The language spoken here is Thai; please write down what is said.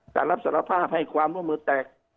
การรับสารภาพให้ความร่วมมือแตก